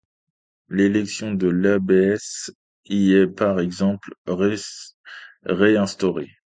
L'élection de l'abbesse y est par exemple ré-instaurée.